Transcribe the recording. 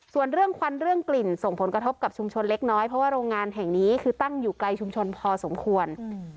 ส่วนเรื่องควันเรื่องกลิ่นส่งผลกระทบกับชุมชนเล็กน้อยเพราะว่าโรงงานแห่งนี้คือตั้งอยู่ไกลชุมชนพอสมควร